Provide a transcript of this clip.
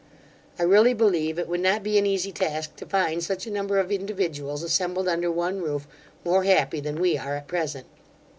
I really believe it would not be an easy task to find such a number of individuals assembled under one roof, more happy than we are at present.